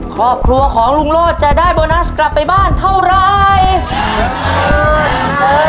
ครอบครัวของลุงโลศจะได้โบนัสกลับไปบ้านเท่าไร